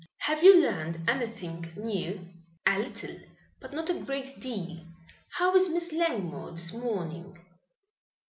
"Have you learned anything new?" "A little but not a great deal. How is Miss Langmore this morning?"